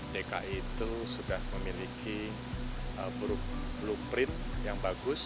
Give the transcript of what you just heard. dki itu sudah memiliki blueprint yang bagus